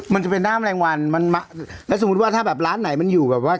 มันจะเป็นด้ามแรงวันมันมาแล้วสมมุติว่าถ้าแบบร้านไหนมันอยู่แบบว่า